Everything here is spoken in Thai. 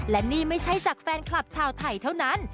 และนี่ไม่ใช่จากแฟนคลับชาวไทยเท่านั้น